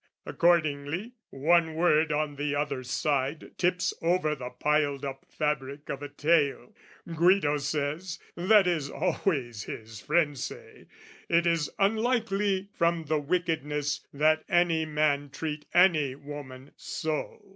Accordingly, one word on the other side Tips over the piled up fabric of a tale. Guido says that is, always, his friends say It is unlikely from the wickedness, That any man treat any woman so.